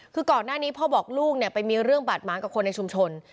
คือก่อนหน้านี้พ่อบอกลูกเนี่ยไปมีเรื่องบาดหมางกับคนในชุมชน